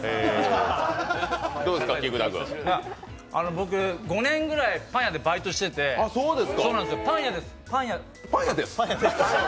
僕、５年ぐらいパン屋でバイトしてて、パン屋です。